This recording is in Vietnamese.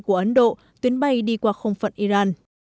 của ấn độ tuyến bay đi qua không phận iran